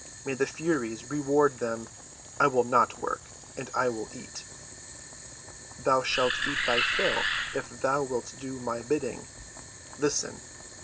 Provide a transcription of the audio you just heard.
May the Furies reward them! I will not work, and I will eat." "Thou shalt eat thy fill if thou wilt do my bidding. Listen.